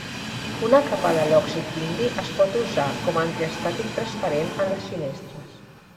Una capa de l'òxid d'indi es pot usar com antiestàtic transparent en les finestres.